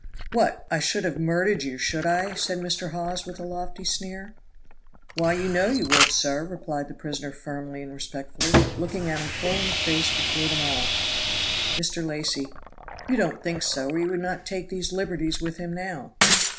"What, I should have murdered you, should I!" said Mr. Hawes, with a lofty sneer. "Why you know you would, sir," replied the prisoner firmly and respectfully, looking him full in the face before them all. Mr. Lacy. "You don't think so, or you would not take these liberties with him now."